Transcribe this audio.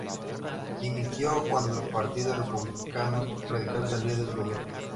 Dimitió cuando el Partido Republicano Radical salió del Gobierno.